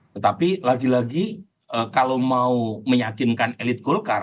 tetapi lagi lagi kalau mau meyakinkan elit golkar